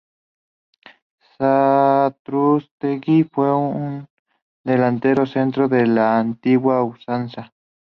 Satrústegui fue un delantero centro a la antigua usanza.